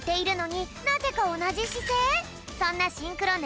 そんなシンクロね